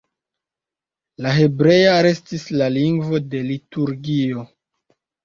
La hebrea restis la lingvo de liturgio.